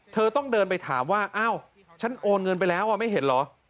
เธอต้องเดินไปถามว่าอ้าวฉันโอนเงินไปแล้วไม่เห็นเหรอ